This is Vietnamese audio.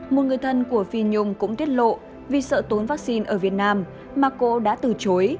một người thân của phi nhung cũng tiết lộ vì sợ tốn vaccine ở việt nam mà cô đã từ chối